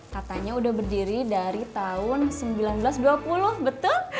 katanya udah berdiri dari tahun seribu sembilan ratus dua puluh betul